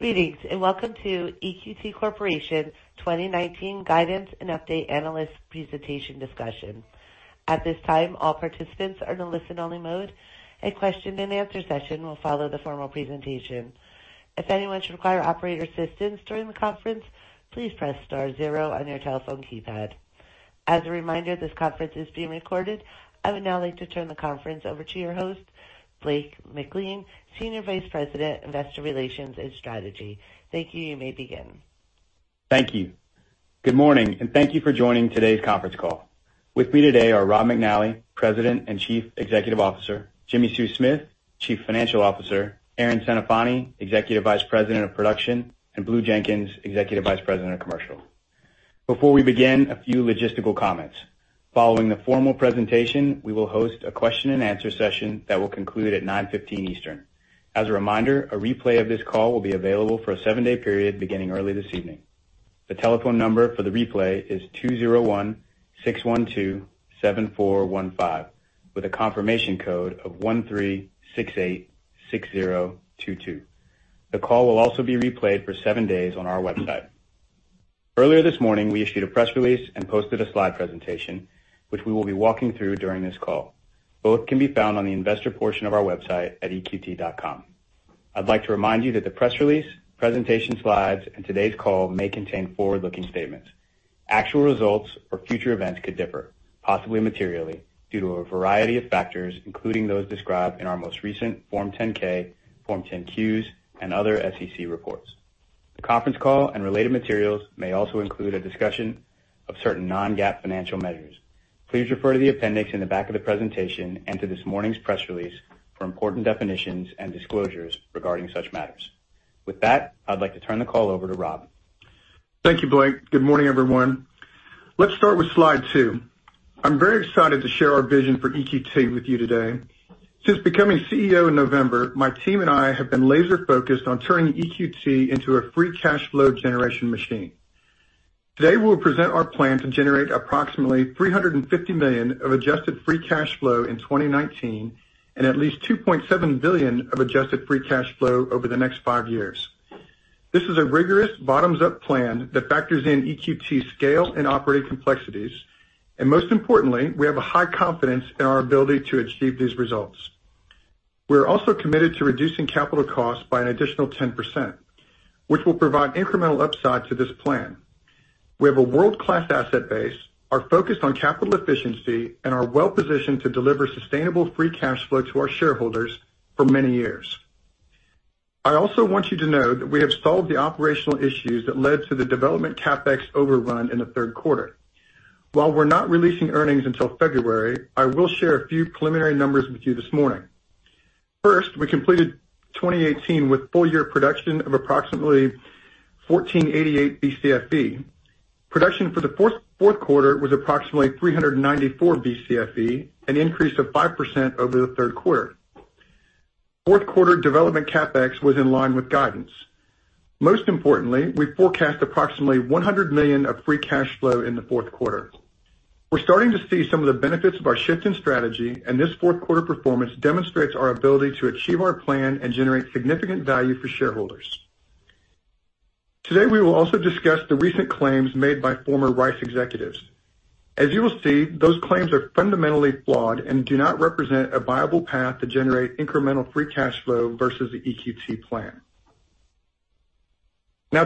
Greetings. Welcome to EQT Corporation's 2019 Guidance and Update Analyst Presentation Discussion. At this time, all participants are in listen-only mode. A question and answer session will follow the formal presentation. If anyone should require operator assistance during the conference, please press star zero on your telephone keypad. As a reminder, this conference is being recorded. I would now like to turn the conference over to your host, Blake McLean, Senior Vice President, Investor Relations and Strategy. Thank you. You may begin. Thank you. Good morning. Thank you for joining today's conference call. With me today are Rob McNally, President and Chief Executive Officer, Jimmi Sue Smith, Chief Financial Officer, Erin Centofanti, Executive Vice President of Production, and Blue Jenkins, Executive Vice President of Commercial. Before we begin, a few logistical comments. Following the formal presentation, we will host a question and answer session that will conclude at 9:15 A.M. Eastern. As a reminder, a replay of this call will be available for a 7-day period beginning early this evening. The telephone number for the replay is 201-612-7415, with a confirmation code of 13686022. The call will also be replayed for 7 days on our website. Earlier this morning, we issued a press release and posted a slide presentation, which we will be walking through during this call. Both can be found on the investor portion of our website at eqt.com. I'd like to remind you that the press release, presentation slides, and today's call may contain forward-looking statements. Actual results or future events could differ, possibly materially, due to a variety of factors, including those described in our most recent Form 10-K, Form 10-Qs, and other SEC reports. The conference call and related materials may also include a discussion of certain non-GAAP financial measures. Please refer to the appendix in the back of the presentation and to this morning's press release for important definitions and disclosures regarding such matters. With that, I'd like to turn the call over to Rob. Thank you, Blake. Good morning, everyone. Let's start with slide two. I'm very excited to share our vision for EQT with you today. Since becoming CEO in November, my team and I have been laser-focused on turning EQT into a free cash flow generation machine. Today, we'll present our plan to generate approximately $350 million of adjusted free cash flow in 2019 and at least $2.7 billion of adjusted free cash flow over the next 5 years. This is a rigorous bottoms-up plan that factors in EQT scale and operating complexities. Most importantly, we have a high confidence in our ability to achieve these results. We're also committed to reducing capital costs by an additional 10%, which will provide incremental upside to this plan. We have a world-class asset base, are focused on capital efficiency, and are well-positioned to deliver sustainable free cash flow to our shareholders for many years. I also want you to know that we have solved the operational issues that led to the development CapEx overrun in the third quarter. While we're not releasing earnings until February, I will share a few preliminary numbers with you this morning. First, we completed 2018 with full-year production of approximately 1,488 BCFE. Production for the fourth quarter was approximately 394 BCFE, an increase of 5% over the third quarter. Fourth quarter development CapEx was in line with guidance. Most importantly, we forecast approximately $100 million of free cash flow in the fourth quarter. We're starting to see some of the benefits of our shift in strategy. This fourth quarter performance demonstrates our ability to achieve our plan and generate significant value for shareholders. Today, we will also discuss the recent claims made by former Rice executives. As you will see, those claims are fundamentally flawed and do not represent a viable path to generate incremental free cash flow versus the EQT plan.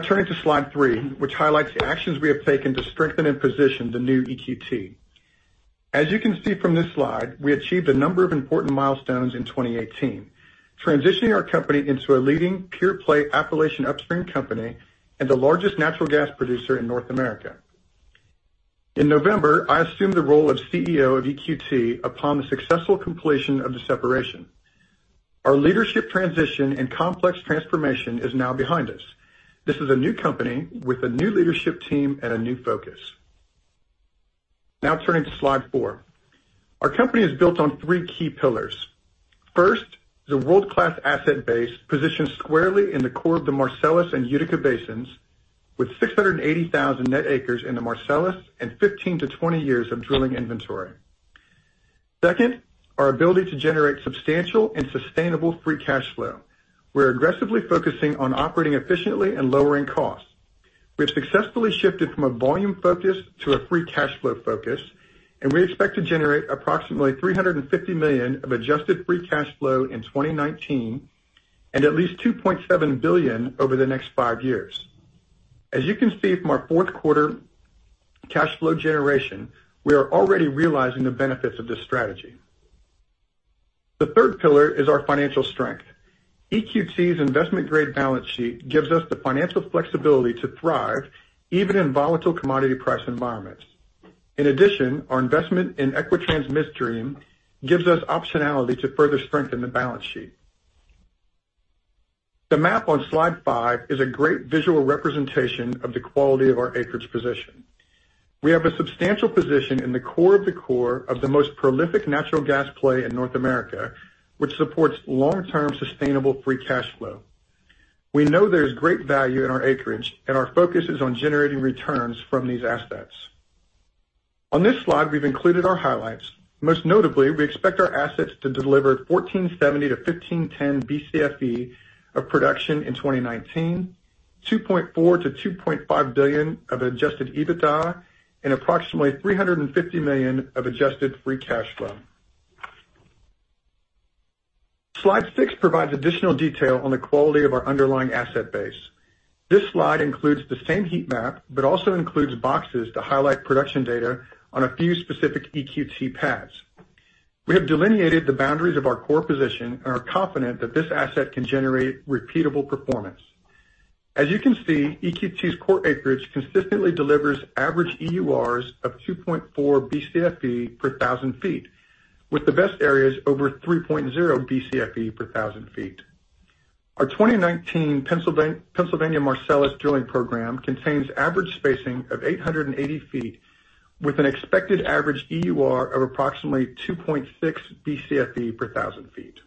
Turning to slide three, which highlights the actions we have taken to strengthen and position the new EQT. As you can see from this slide, we achieved a number of important milestones in 2018, transitioning our company into a leading pure-play Appalachian upstream company and the largest natural gas producer in North America. In November, I assumed the role of CEO of EQT upon the successful completion of the separation. Our leadership transition and complex transformation is now behind us. This is a new company with a new leadership team and a new focus. Turning to slide four. Our company is built on three key pillars. First, the world-class asset base positioned squarely in the core of the Marcellus and Utica basins, with 680,000 net acres in the Marcellus and 15 to 20 years of drilling inventory. Second, our ability to generate substantial and sustainable free cash flow. We're aggressively focusing on operating efficiently and lowering costs. We have successfully shifted from a volume focus to a free cash flow focus, and we expect to generate approximately $350 million of adjusted free cash flow in 2019 and at least $2.7 billion over the next five years. As you can see from our fourth quarter cash flow generation, we are already realizing the benefits of this strategy. The third pillar is our financial strength. EQT's investment-grade balance sheet gives us the financial flexibility to thrive even in volatile commodity price environments. In addition, our investment in Equitrans Midstream gives us optionality to further strengthen the balance sheet. The map on slide five is a great visual representation of the quality of our acreage position. We have a substantial position in the core of the core of the most prolific natural gas play in North America, which supports long-term sustainable free cash flow. We know there's great value in our acreage, and our focus is on generating returns from these assets. On this slide, we've included our highlights. Most notably, we expect our assets to deliver 1,470 to 1,510 Bcfe of production in 2019, $2.4 billion-$2.5 billion of adjusted EBITDA, and approximately $350 million of adjusted free cash flow. Slide six provides additional detail on the quality of our underlying asset base. This slide includes the same heat map, but also includes boxes to highlight production data on a few specific EQT pads. We have delineated the boundaries of our core position and are confident that this asset can generate repeatable performance. As you can see, EQT's core acreage consistently delivers average EURs of 2.4 Bcfe per 1,000 feet, with the best areas over 3.0 Bcfe per 1,000 feet. Our 2019 Pennsylvania Marcellus drilling program contains average spacing of 880 feet with an expected average EUR of approximately 2.6 Bcfe per 1,000 feet.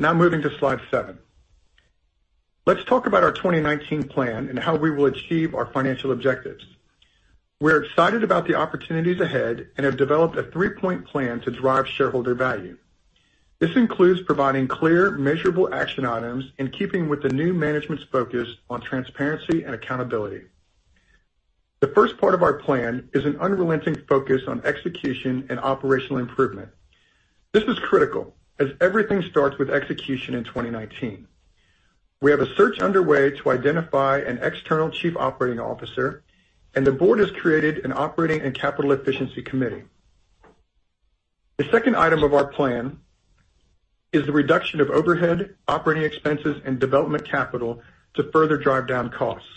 Moving to slide seven. Let's talk about our 2019 plan and how we will achieve our financial objectives. We're excited about the opportunities ahead and have developed a three-point plan to drive shareholder value. This includes providing clear, measurable action items in keeping with the new management's focus on transparency and accountability. The first part of our plan is an unrelenting focus on execution and operational improvement. This is critical, as everything starts with execution in 2019. We have a search underway to identify an external Chief Operating Officer, and the board has created an Operating and Capital Efficiency Committee. The second item of our plan is the reduction of overhead, operating expenses, and development capital to further drive down costs.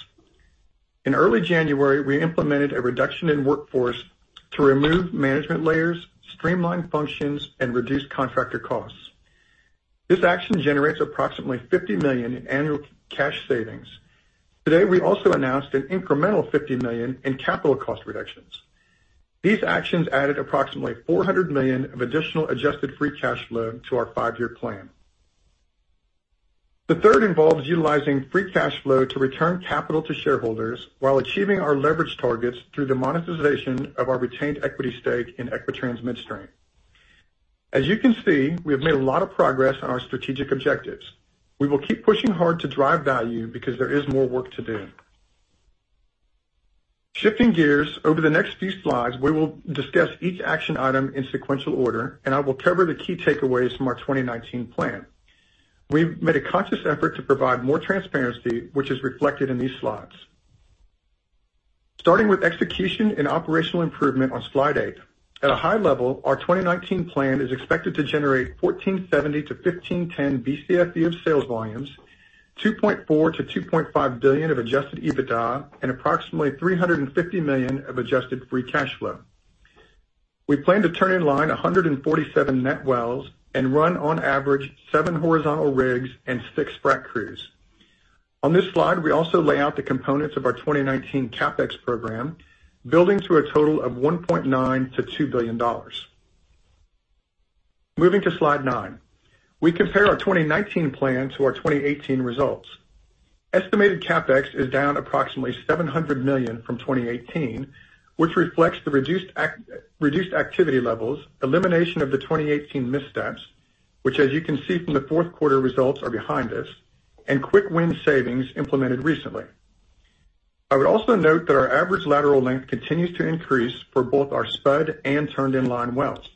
In early January, we implemented a reduction in workforce to remove management layers, streamline functions, and reduce contractor costs. This action generates approximately $50 million in annual cash savings. Today, we also announced an incremental $50 million in capital cost reductions. These actions added approximately $400 million of additional adjusted free cash flow to our five-year plan. The third involves utilizing free cash flow to return capital to shareholders while achieving our leverage targets through the monetization of our retained equity stake in Equitrans Midstream. As you can see, we have made a lot of progress on our strategic objectives. We will keep pushing hard to drive value because there is more work to do. Shifting gears, over the next few slides, we will discuss each action item in sequential order, and I will cover the key takeaways from our 2019 plan. We've made a conscious effort to provide more transparency, which is reflected in these slides. Starting with execution and operational improvement on slide eight. At a high level, our 2019 plan is expected to generate 1,470 to 1,510 Bcfe of sales volumes, $2.4 billion-$2.5 billion of adjusted EBITDA, and approximately $350 million of adjusted free cash flow. We plan to turn in line 147 net wells and run, on average, seven horizontal rigs and six frac crews. On this slide, we also lay out the components of our 2019 CapEx program, building to a total of $1.9 billion-$2 billion. Moving to slide nine. We compare our 2019 plan to our 2018 results. Estimated CapEx is down approximately $700 million from 2018, which reflects the reduced activity levels, elimination of the 2018 missteps, which, as you can see from the fourth quarter results, are behind us, and quick win savings implemented recently. I would also note that our average lateral length continues to increase for both our spud and turned-in-line wells.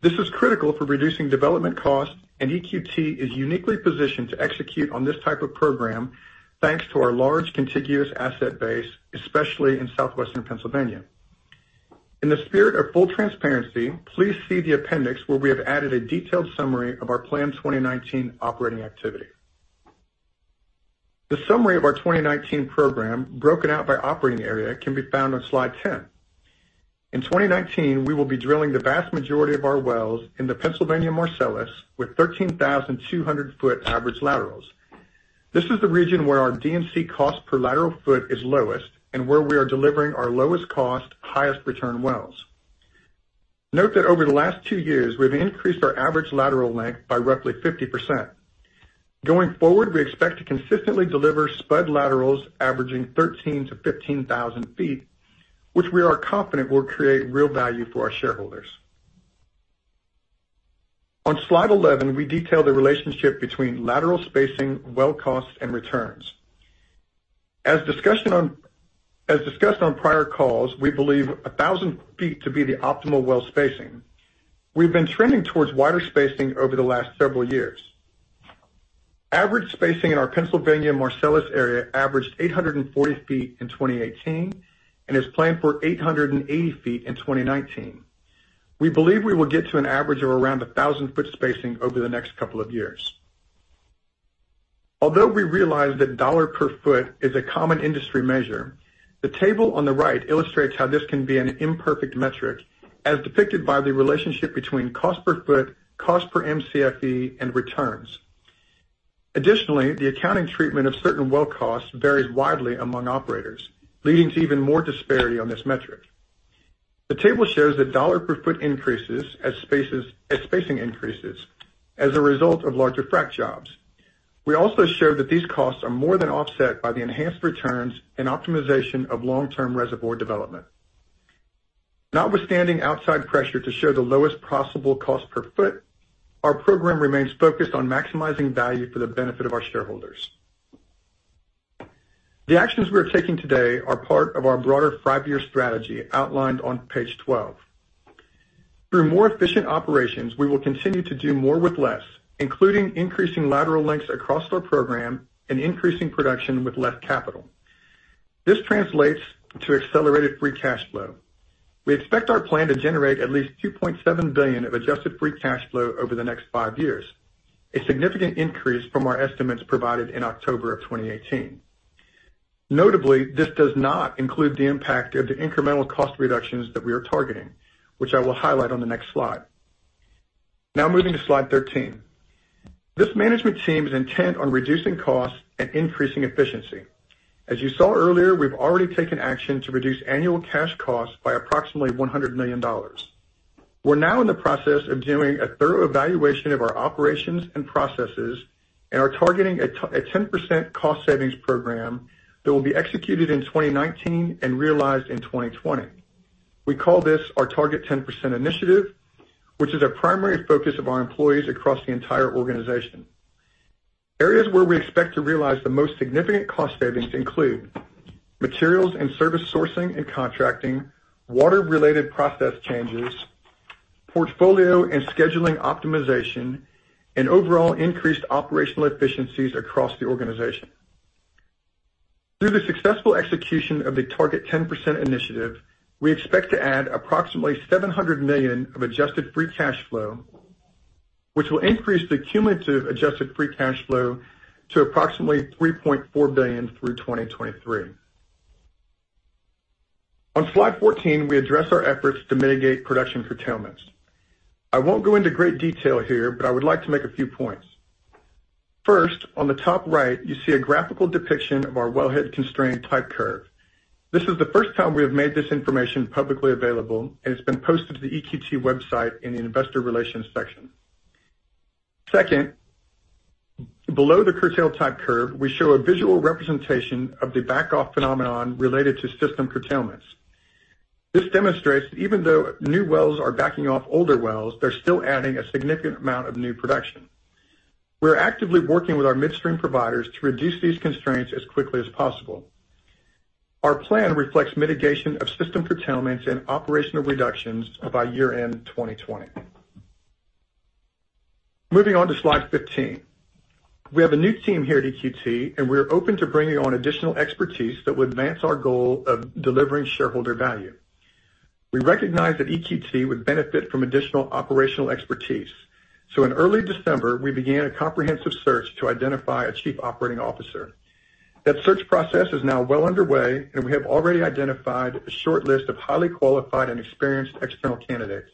This is critical for reducing development costs. EQT is uniquely positioned to execute on this type of program, thanks to our large contiguous asset base, especially in southwestern Pennsylvania. In the spirit of full transparency, please see the appendix, where we have added a detailed summary of our planned 2019 operating activity. The summary of our 2019 program, broken out by operating area, can be found on slide 10. In 2019, we will be drilling the vast majority of our wells in the Pennsylvania Marcellus with 13,200-foot average laterals. This is the region where our DMC cost per lateral foot is lowest and where we are delivering our lowest cost, highest return wells. Note that over the last two years, we've increased our average lateral length by roughly 50%. Going forward, we expect to consistently deliver spud laterals averaging 13,000-15,000 feet, which we are confident will create real value for our shareholders. On slide 11, we detail the relationship between lateral spacing, well cost, and returns. As discussed on prior calls, we believe 1,000 feet to be the optimal well spacing. We've been trending towards wider spacing over the last several years. Average spacing in our Pennsylvania Marcellus area averaged 840 feet in 2018 and is planned for 880 feet in 2019. We believe we will get to an average of around 1,000-foot spacing over the next couple of years. Although we realize that dollar per foot is a common industry measure, the table on the right illustrates how this can be an imperfect metric, as depicted by the relationship between cost per foot, cost per Mcfe, and returns. Additionally, the accounting treatment of certain well costs varies widely among operators, leading to even more disparity on this metric. The table shows that dollar per foot increases as spacing increases as a result of larger frac jobs. We also showed that these costs are more than offset by the enhanced returns and optimization of long-term reservoir development. Notwithstanding outside pressure to show the lowest possible cost per foot, our program remains focused on maximizing value for the benefit of our shareholders. The actions we're taking today are part of our broader five-year strategy outlined on page 12. Through more efficient operations, we will continue to do more with less, including increasing lateral lengths across our program and increasing production with less capital. This translates to accelerated free cash flow. We expect our plan to generate at least $2.7 billion of adjusted free cash flow over the next five years, a significant increase from our estimates provided in October of 2018. Notably, this does not include the impact of the incremental cost reductions that we are targeting, which I will highlight on the next slide. Moving to slide 13, this management team is intent on reducing costs and increasing efficiency. As you saw earlier, we've already taken action to reduce annual cash costs by approximately $100 million. We're now in the process of doing a thorough evaluation of our operations and processes and are targeting a 10% cost savings program that will be executed in 2019 and realized in 2020. We call this our Target 10% Initiative, which is a primary focus of our employees across the entire organization. Areas where we expect to realize the most significant cost savings include materials and service sourcing and contracting, water-related process changes, portfolio and scheduling optimization, and overall increased operational efficiencies across the organization. Through the successful execution of the Target 10% Initiative, we expect to add approximately $700 million of adjusted free cash flow, which will increase the cumulative adjusted free cash flow to approximately $3.4 billion through 2023. On slide 14, we address our efforts to mitigate production curtailments. I won't go into great detail here, but I would like to make a few points. First, on the top right, you see a graphical depiction of our wellhead constraint type curve. This is the first time we have made this information publicly available, and it's been posted to the EQT website in the investor relations section. Second, below the curtail type curve, we show a visual representation of the back off phenomenon related to system curtailments. This demonstrates that even though new wells are backing off older wells, they're still adding a significant amount of new production. We're actively working with our midstream providers to reduce these constraints as quickly as possible. Our plan reflects mitigation of system curtailments and operational reductions by year-end 2020. Moving on to slide 15. We have a new team here at EQT. We're open to bringing on additional expertise that would advance our goal of delivering shareholder value. We recognize that EQT would benefit from additional operational expertise. In early December, we began a comprehensive search to identify a Chief Operating Officer. That search process is now well underway, and we have already identified a short list of highly qualified and experienced external candidates.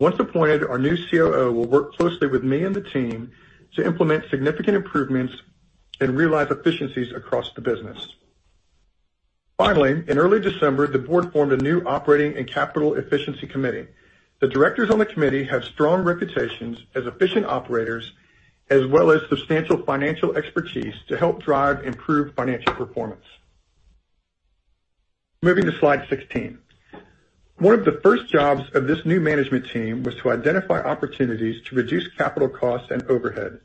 Once appointed, our new COO will work closely with me and the team to implement significant improvements and realize efficiencies across the business. Finally, in early December, the board formed a new operating and capital efficiency committee. The directors on the committee have strong reputations as efficient operators, as well as substantial financial expertise to help drive improved financial performance. Moving to slide 16. One of the first jobs of this new management team was to identify opportunities to reduce capital costs and overhead.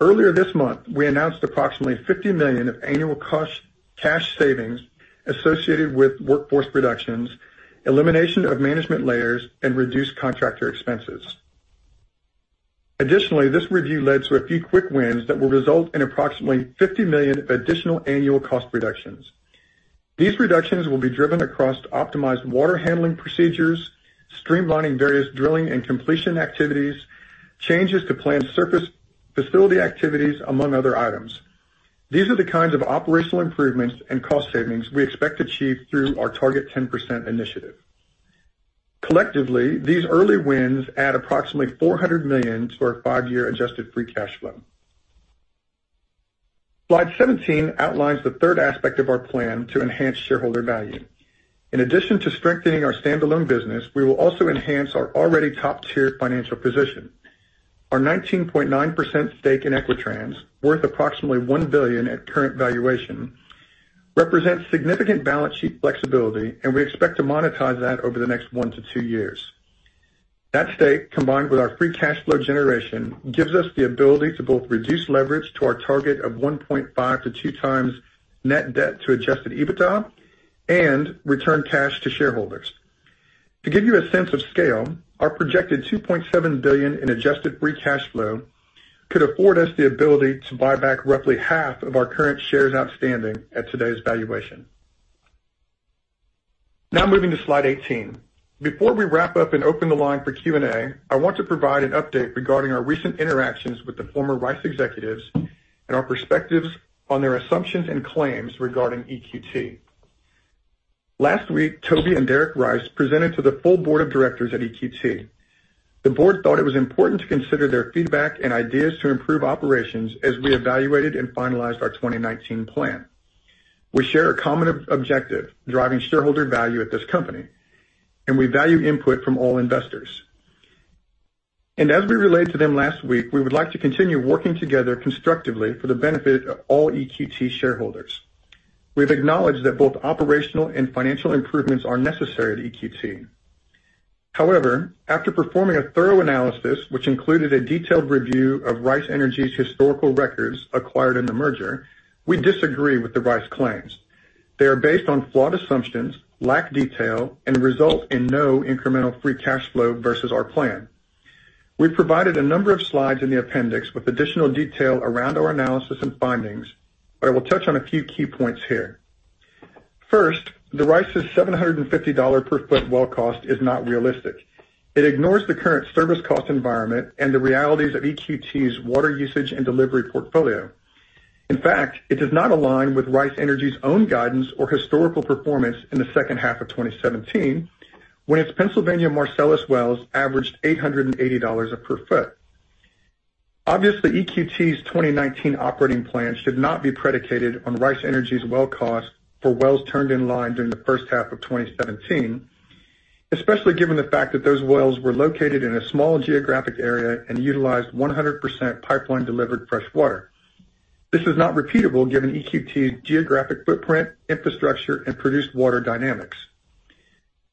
Earlier this month, we announced approximately $50 million of annual cash savings associated with workforce reductions, elimination of management layers, and reduced contractor expenses. Additionally, this review led to a few quick wins that will result in approximately $50 million of additional annual cost reductions. These reductions will be driven across optimized water handling procedures, streamlining various drilling and completion activities, changes to planned surface facility activities, among other items. These are the kinds of operational improvements and cost savings we expect to achieve through our Target 10% Initiative. Collectively, these early wins add approximately $400 million to our five-year adjusted free cash flow. Slide 17 outlines the third aspect of our plan to enhance shareholder value. In addition to strengthening our standalone business, we will also enhance our already top-tier financial position. Our 19.9% stake in Equitrans, worth approximately $1 billion at current valuation, represents significant balance sheet flexibility, and we expect to monetize that over the next one to two years. That stake, combined with our free cash flow generation, gives us the ability to both reduce leverage to our target of 1.5-2 times net debt to adjusted EBITDA and return cash to shareholders. To give you a sense of scale, our projected $2.7 billion in adjusted free cash flow could afford us the ability to buy back roughly half of our current shares outstanding at today's valuation. Moving to slide 18. Before we wrap up and open the line for Q&A, I want to provide an update regarding our recent interactions with the former Rice executives and our perspectives on their assumptions and claims regarding EQT. Last week, Toby and Derek Rice presented to the full board of directors at EQT. The board thought it was important to consider their feedback and ideas to improve operations as we evaluated and finalized our 2019 plan. We share a common objective, driving shareholder value at this company, and we value input from all investors. As we relayed to them last week, we would like to continue working together constructively for the benefit of all EQT shareholders. We've acknowledged that both operational and financial improvements are necessary at EQT. However, after performing a thorough analysis, which included a detailed review of Rice Energy's historical records acquired in the merger, we disagree with the Rice claims. They are based on flawed assumptions, lack detail, and result in no incremental free cash flow versus our plan. We provided a number of slides in the appendix with additional detail around our analysis and findings, but I will touch on a few key points here. First, the Rice's $750 per foot well cost is not realistic. It ignores the current service cost environment and the realities of EQT's water usage and delivery portfolio. In fact, it does not align with Rice Energy's own guidance or historical performance in the second half of 2017, when its Pennsylvania Marcellus wells averaged $880 per foot. Obviously, EQT's 2019 operating plans should not be predicated on Rice Energy's well cost for wells turned in line during the first half of 2017, especially given the fact that those wells were located in a small geographic area and utilized 100% pipeline-delivered fresh water. This is not repeatable given EQT's geographic footprint, infrastructure, and produced water dynamics.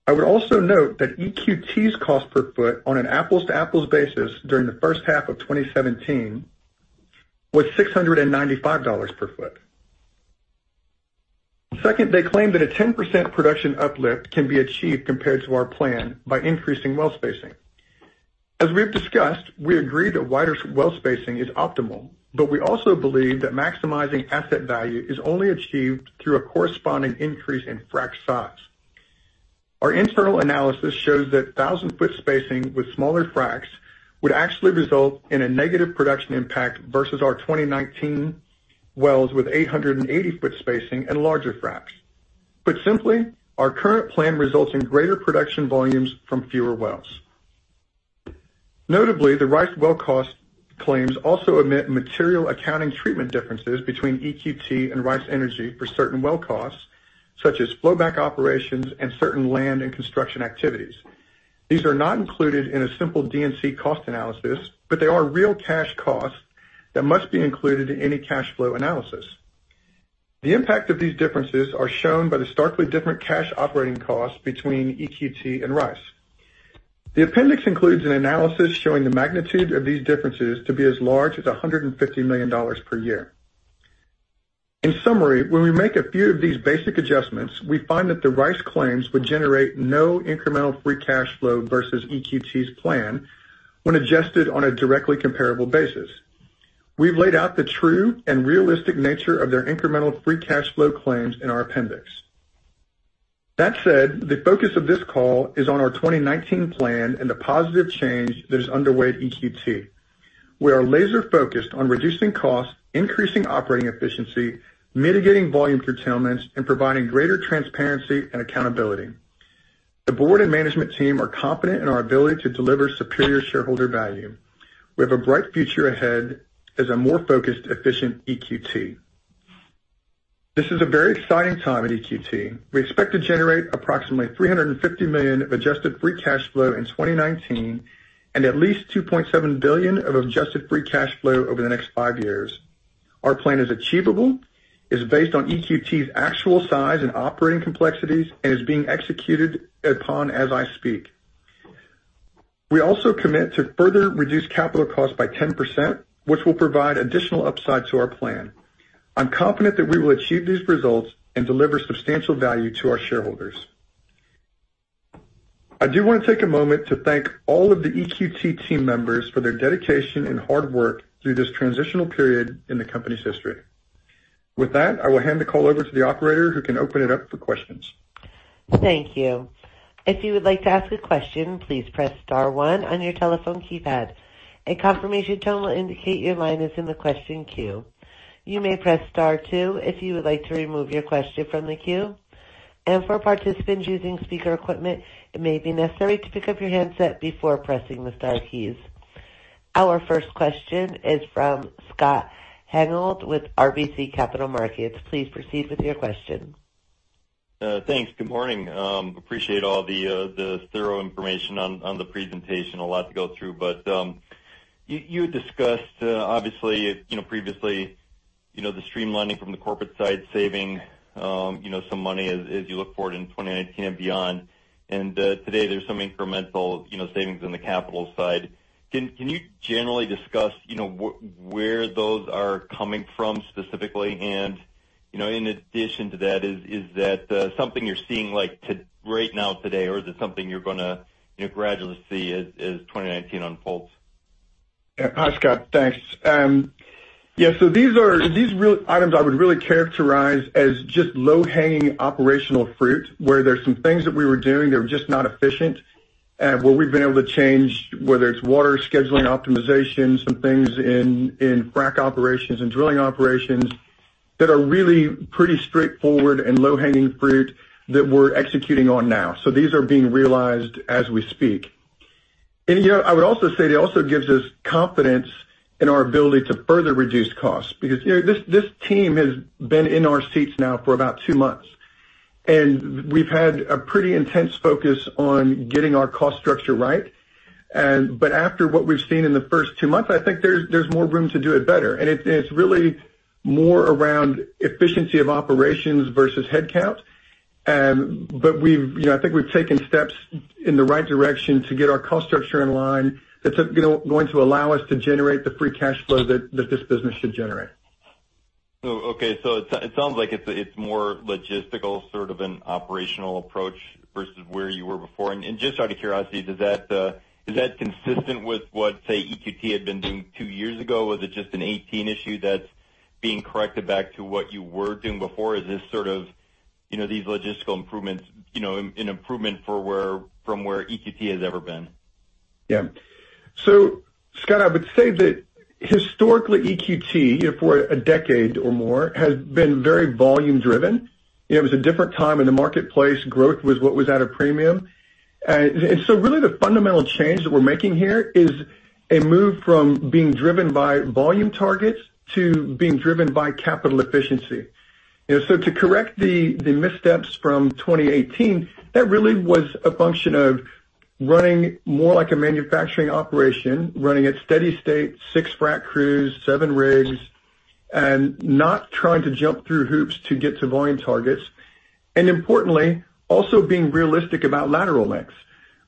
I would also note that EQT's cost per foot on an apples-to-apples basis during the first half of 2017 was $695 per foot. Second, they claim that a 10% production uplift can be achieved compared to our plan by increasing well spacing. As we've discussed, we agree that wider well spacing is optimal, but we also believe that maximizing asset value is only achieved through a corresponding increase in frack size. Our internal analysis shows that 1,000-foot spacing with smaller fracks would actually result in a negative production impact versus our 2019 wells with 880-foot spacing and larger fracks. Put simply, our current plan results in greater production volumes from fewer wells. Notably, the Rice well cost claims also omit material accounting treatment differences between EQT and Rice Energy for certain well costs, such as flow back operations and certain land and construction activities. These are not included in a simple D&C cost analysis, but they are real cash costs that must be included in any cash flow analysis. The impact of these differences are shown by the starkly different cash operating costs between EQT and Rice. The appendix includes an analysis showing the magnitude of these differences to be as large as $150 million per year. In summary, when we make a few of these basic adjustments, we find that the Rice claims would generate no incremental free cash flow versus EQT's plan when adjusted on a directly comparable basis. We've laid out the true and realistic nature of their incremental free cash flow claims in our appendix. That said, the focus of this call is on our 2019 plan and the positive change that is underway at EQT. We are laser-focused on reducing costs, increasing operating efficiency, mitigating volume curtailments, and providing greater transparency and accountability. The board and management team are confident in our ability to deliver superior shareholder value. We have a bright future ahead as a more focused, efficient EQT. This is a very exciting time at EQT. We expect to generate approximately $350 million of adjusted free cash flow in 2019 and at least $2.7 billion of adjusted free cash flow over the next five years. Our plan is achievable, is based on EQT's actual size and operating complexities, and is being executed upon as I speak. We also commit to further reduce capital costs by 10%, which will provide additional upside to our plan. I'm confident that we will achieve these results and deliver substantial value to our shareholders. I do want to take a moment to thank all of the EQT team members for their dedication and hard work through this transitional period in the company's history. With that, I will hand the call over to the operator, who can open it up for questions. Thank you. If you would like to ask a question, please press star one on your telephone keypad. A confirmation tone will indicate your line is in the question queue. You may press star two if you would like to remove your question from the queue, and for participants using speaker equipment, it may be necessary to pick up your handset before pressing the star keys. Our first question is from Scott Hanold with RBC Capital Markets. Please proceed with your question. Thanks. Good morning. Appreciate all the thorough information on the presentation. A lot to go through. You discussed, obviously, previously, the streamlining from the corporate side, saving some money as you look forward in 2019 and beyond. Today, there's some incremental savings on the capital side. Can you generally discuss where those are coming from specifically? In addition to that, is that something you're seeing right now, today? Or is it something you're going to gradually see as 2019 unfolds? Hi, Scott. Thanks. Yeah. These items I would really characterize as just low-hanging operational fruit, where there's some things that we were doing that were just not efficient. What we've been able to change, whether it's water scheduling optimization, some things in frack operations and drilling operations that are really pretty straightforward and low-hanging fruit that we're executing on now. These are being realized as we speak. I would also say it also gives us confidence in our ability to further reduce costs because this team has been in our seats now for about two months, and we've had a pretty intense focus on getting our cost structure right. After what we've seen in the first two months, I think there's more room to do it better, and it's really more around efficiency of operations versus headcount. I think we've taken steps in the right direction to get our cost structure in line that's going to allow us to generate the free cash flow that this business should generate. Okay. It sounds like it's more logistical, sort of an operational approach versus where you were before. Just out of curiosity, is that consistent with what, say, EQT had been doing two years ago? Was it just a 2018 issue that's being corrected back to what you were doing before? Is this sort of these logistical improvements an improvement from where EQT has ever been? Yeah. Scott, I would say that historically, EQT, for a decade or more, has been very volume driven. It was a different time in the marketplace. Growth was what was at a premium. Really the fundamental change that we're making here is a move from being driven by volume targets to being driven by capital efficiency. To correct the missteps from 2018, that really was a function of running more like a manufacturing operation, running at steady state, six frac crews, seven rigs, and not trying to jump through hoops to get to volume targets. Importantly, also being realistic about lateral lengths.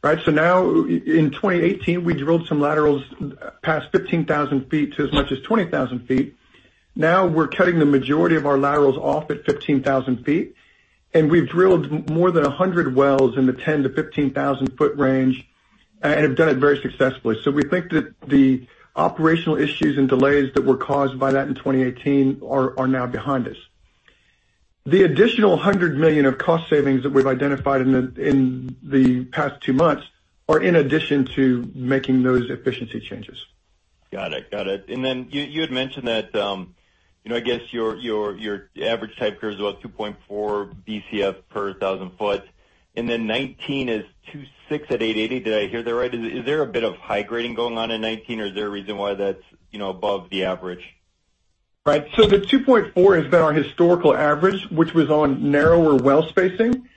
Right? Now in 2018, we drilled some laterals past 15,000 feet to as much as 20,000 feet. Now we're cutting the majority of our laterals off at 15,000 feet. We've drilled more than 100 wells in the 10-15,000 foot range and have done it very successfully. We think that the operational issues and delays that were caused by that in 2018 are now behind us. The additional $100 million of cost savings that we've identified in the past two months are in addition to making those efficiency changes. Got it. You had mentioned that, I guess, your average type curve is about 2.4 Bcf per 1,000 foot. 2019 is 2.6 at 880. Did I hear that right? Is there a bit of high grading going on in 2019, or is there a reason why that's above the average? Right. The 2.4 has been our historical average, which was on narrower well spacing.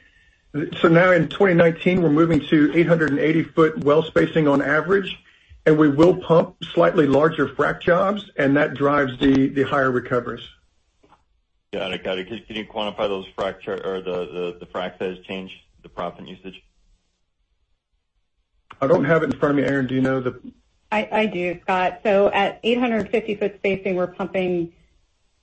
Now in 2019, we're moving to 880 foot well spacing on average. We will pump slightly larger frac jobs and that drives the higher recoveries. Got it. Can you quantify those frac or the frac size change, the proppant usage? I don't have it in front of me. Erin, do you know the. I do, Scott. At 850 foot spacing, we're pumping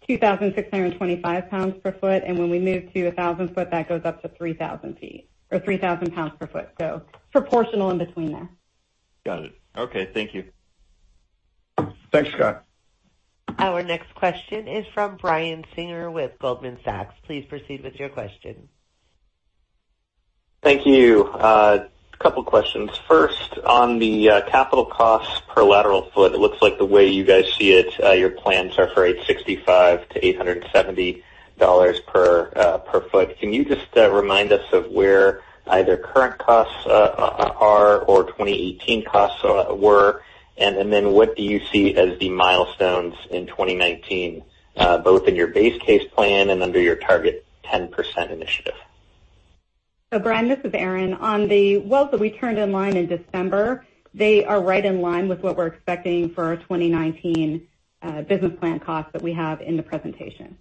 2,625 pounds per foot, and when we move to 1,000 foot, that goes up to 3,000 feet or 3,000 pounds per foot. Proportional in between there. Got it. Okay. Thank you. Thanks, Scott. Our next question is from Brian Singer with Goldman Sachs. Please proceed with your question. Thank you. A couple questions. First, on the capital cost per lateral foot, it looks like the way you guys see it, your plans are for $865-$870 per foot. Can you just remind us of where either current costs are or 2018 costs were? What do you see as the milestones in 2019, both in your base case plan and under your Target 10% Initiative? Brian, this is Erin. On the wells that we turned in line in December, they are right in line with what we're expecting for our 2019 business plan cost that we have in the presentation.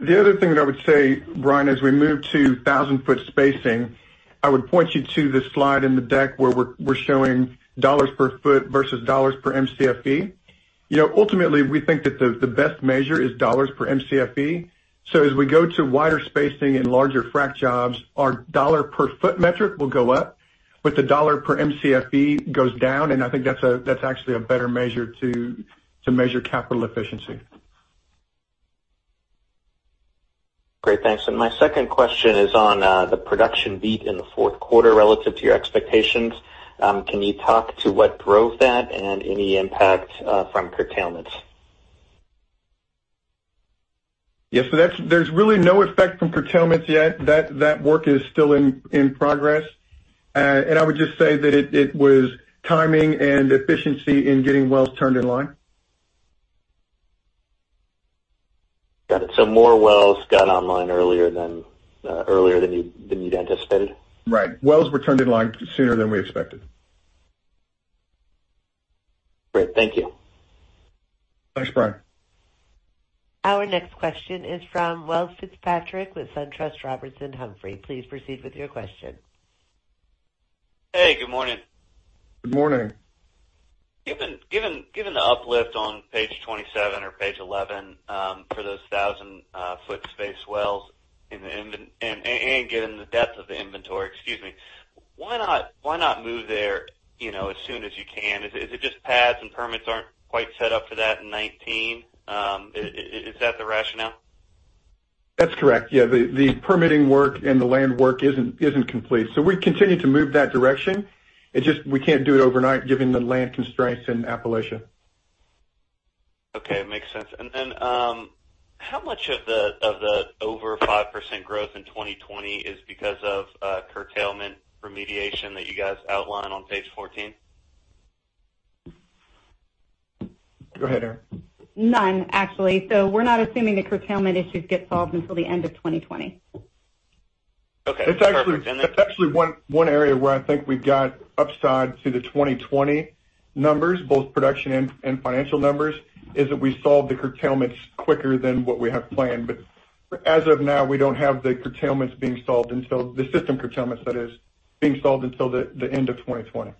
The other thing that I would say, Brian, as we move to 1,000 foot spacing, I would point you to the slide in the deck where we're showing dollars per foot versus dollars per Mcfe. Ultimately, we think that the best measure is dollars per Mcfe. As we go to wider spacing and larger frac jobs, our dollar per foot metric will go up, the dollar per Mcfe goes down, I think that's actually a better measure to measure capital efficiency. Great, thanks. My second question is on the production beat in the fourth quarter relative to your expectations. Can you talk to what drove that and any impact from curtailments? Yeah. There's really no effect from curtailments yet. That work is still in progress. I would just say that it was timing and efficiency in getting wells turned in line. Got it. More wells got online earlier than you'd anticipated? Right. Wells were turned in line sooner than we expected. Great. Thank you. Thanks, Brian. Our next question is from Welles Fitzpatrick with SunTrust Robinson Humphrey. Please proceed with your question. Hey, good morning. Good morning. Given the uplift on page 27 or page 11 for those 1,000-foot space wells, given the depth of the inventory, excuse me, why not move there as soon as you can? Is it just pads and permits aren't quite set up for that in 2019? Is that the rationale? That's correct. Yeah. The permitting work and the land work isn't complete. We continue to move that direction. It's just we can't do it overnight given the land constraints in Appalachia. Okay, makes sense. Then how much of the over 5% growth in 2020 is because of curtailment remediation that you guys outline on page 14? Go ahead, Erin. None, actually. We're not assuming the curtailment issues get solved until the end of 2020. Okay. Perfect. That's actually one area where I think we've got upside to the 2020 numbers, both production and financial numbers, is that we solve the curtailments quicker than what we have planned. As of now, we don't have the curtailments being solved the system curtailments that is, being solved until the end of 2020.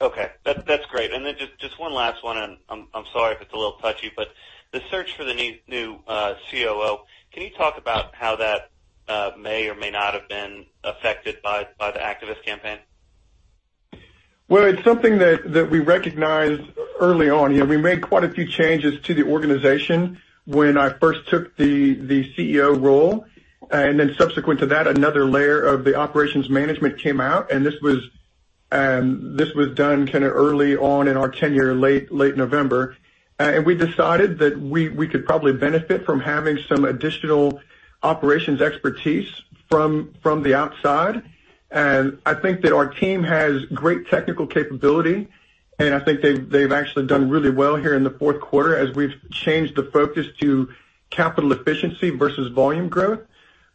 Okay. That's great. Then just one last one, and I'm sorry if it's a little touchy, but the search for the new COO, can you talk about how that may or may not have been affected by the activist campaign? Well, it's something that we recognized early on. We made quite a few changes to the organization when I first took the CEO role, then subsequent to that, another layer of the operations management came out, and this was done kind of early on in our tenure, late November. We decided that we could probably benefit from having some additional operations expertise from the outside. I think that our team has great technical capability, I think they've actually done really well here in the fourth quarter as we've changed the focus to capital efficiency versus volume growth.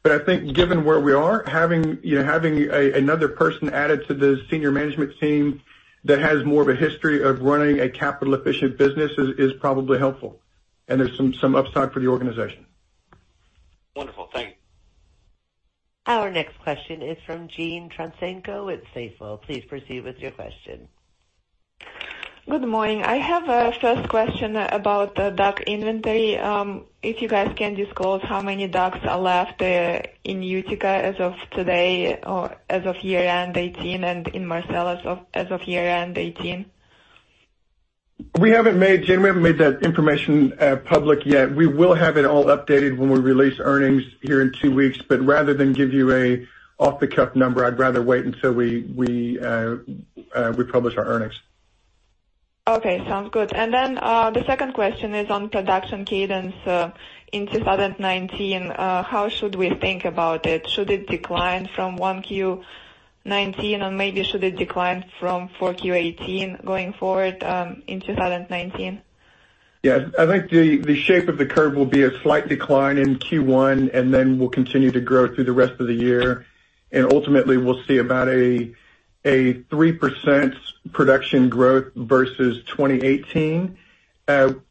I think given where we are, having another person added to the senior management team that has more of a history of running a capital efficient business is probably helpful. There's some upside for the organization. Wonderful. Thank you. Our next question is from Jeanine Wai with Braclays. Please proceed with your question. Good morning. I have a first question about the DUC inventory. If you guys can disclose how many DUCs are left in Utica as of today or as of year-end 2018 and in Marcellus as of year-end 2018. We haven't made that information public yet. We will have it all updated when we release earnings here in two weeks. Rather than give you an off-the-cuff number, I'd rather wait until we publish our earnings. Okay, sounds good. Then the second question is on production cadence in 2019. How should we think about it? Should it decline from Q1 2019 or maybe should it decline from Q4 2018 going forward in 2019? Yeah, I think the shape of the curve will be a slight decline in Q1. Then we'll continue to grow through the rest of the year. Ultimately we'll see about a 3% production growth versus 2018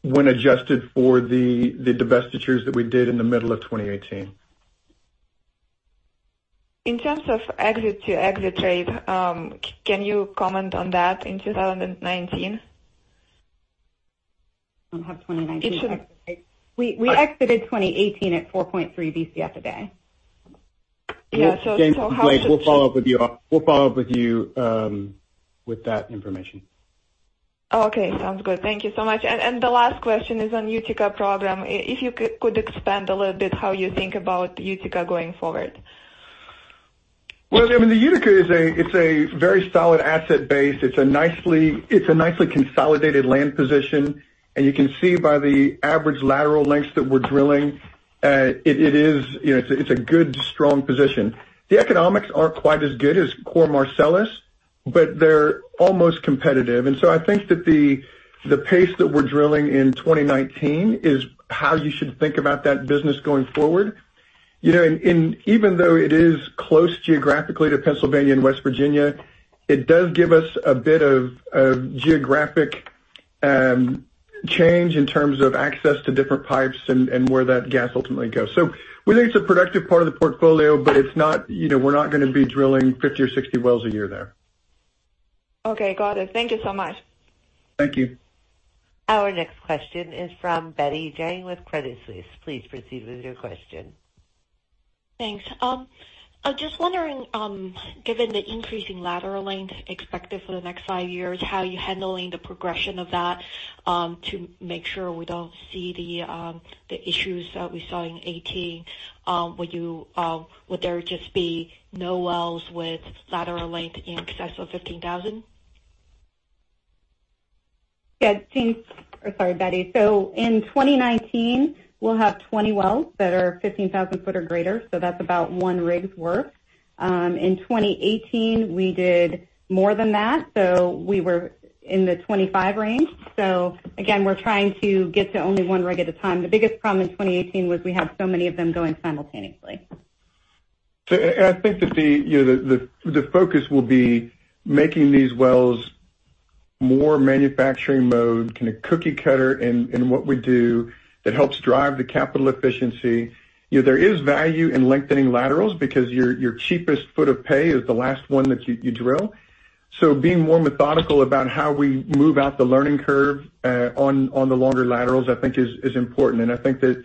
when adjusted for the divestitures that we did in the middle of 2018. In terms of exit-to-exit rate, can you comment on that in 2019? I don't have 2019. We exited 2018 at 4.3 Bcf a day. Yeah. how should- We'll follow up with you with that information. Okay, sounds good. Thank you so much. The last question is on Utica program. If you could expand a little bit how you think about Utica going forward. Well, the Utica is a very solid asset base. It's a nicely consolidated land position, and you can see by the average lateral lengths that we're drilling, it's a good, strong position. The economics aren't quite as good as core Marcellus, but they're almost competitive. I think that the pace that we're drilling in 2019 is how you should think about that business going forward. Even though it is close geographically to Pennsylvania and West Virginia, it does give us a bit of geographic change in terms of access to different pipes and where that gas ultimately goes. We think it's a productive part of the portfolio, but we're not going to be drilling 50 or 60 wells a year there. Okay, got it. Thank you so much. Thank you. Our next question is from Betty Jiang with Credit Suisse. Please proceed with your question. Thanks. I was just wondering, given the increasing lateral length expected for the next five years, how are you handling the progression of that to make sure we don't see the issues that we saw in 2018? Would there just be no wells with lateral length in excess of 15,000? Yeah. Thanks. Sorry, Betty. In 2019, we'll have 20 wells that are 15,000 foot or greater. That's about one rig's worth. In 2018, we did more than that. We were in the 25 range. Again, we're trying to get to only one rig at a time. The biggest problem in 2018 was we had so many of them going simultaneously. I think that the focus will be making these wells more manufacturing mode, kind of cookie cutter in what we do that helps drive the capital efficiency. There is value in lengthening laterals because your cheapest foot of pay is the last one that you drill. Being more methodical about how we move out the learning curve on the longer laterals, I think is important. I think that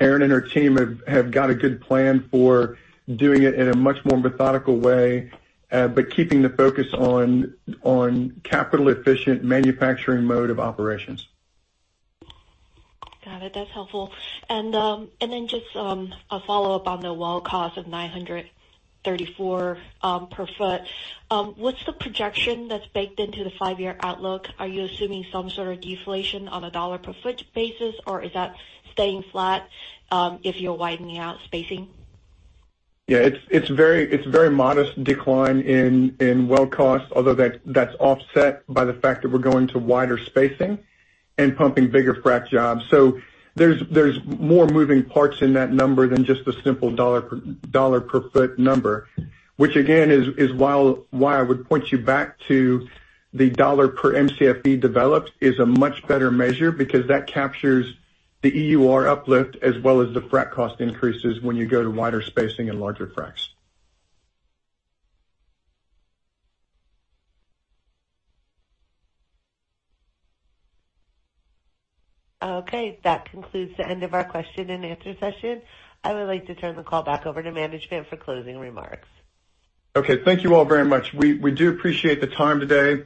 Erin and her team have got a good plan for doing it in a much more methodical way, but keeping the focus on capital efficient manufacturing mode of operations. Got it. That's helpful. Just a follow-up on the well cost of 934 per foot. What's the projection that's baked into the 5-year outlook? Are you assuming some sort of deflation on a dollar per foot basis, or is that staying flat if you're widening out spacing? Yeah, it's a very modest decline in well cost, although that's offset by the fact that we're going to wider spacing and pumping bigger frack jobs. There's more moving parts in that number than just the simple dollar per foot number, which again, is why I would point you back to the dollar per Mcfe developed is a much better measure because that captures the EUR uplift as well as the frack cost increases when you go to wider spacing and larger fracks. Okay, that concludes the end of our question and answer session. I would like to turn the call back over to management for closing remarks. Okay, thank you all very much. We do appreciate the time today.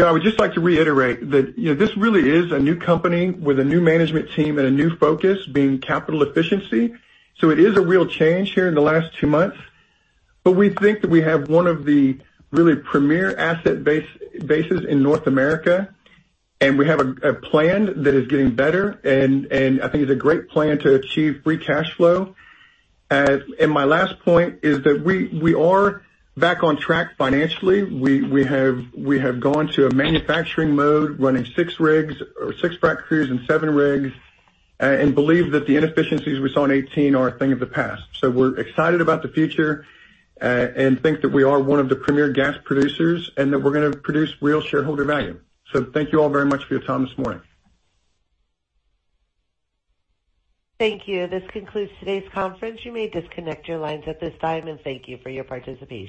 I would just like to reiterate that this really is a new company with a new management team and a new focus being capital efficiency. It is a real change here in the last 2 months. We think that we have one of the really premier asset bases in North America, and we have a plan that is getting better, and I think it's a great plan to achieve free cash flow. My last point is that we are back on track financially. We have gone to a manufacturing mode, running 6 rigs or 6 frack crews and 7 rigs, and believe that the inefficiencies we saw in 2018 are a thing of the past. We're excited about the future, and think that we are one of the premier gas producers, and that we're going to produce real shareholder value. Thank you all very much for your time this morning. Thank you. This concludes today's conference. You may disconnect your lines at this time, and thank you for your participation.